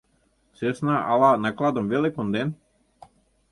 Сӧсна ала накладым веле конден?